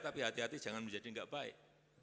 tapi hati hati jangan menjadi nggak baik